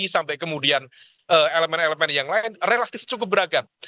sampai kemudian elemen elemen yang lain relatif cukup beragam